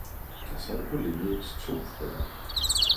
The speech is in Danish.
Der sad på linnedet to frøer.